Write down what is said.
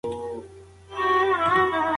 ای بچای، یازور ته روڅه